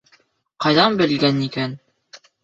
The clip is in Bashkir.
Ҡайҙан белгән икән?